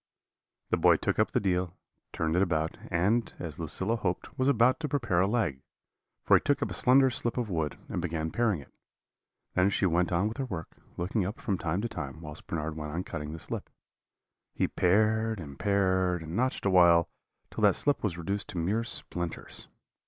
"The boy took up the deal, turned it about, and, as Lucilla hoped, was about to prepare a leg; for he took up a slender slip of wood, and began paring it. She then went on with her work, looking up from time to time, whilst Bernard went on cutting the slip. He pared and pared, and notched awhile, till that slip was reduced to mere splinters.